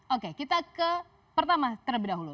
oke kita ke pertama terlebih dahulu